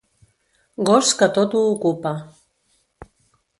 Gos que tot ho ocupa.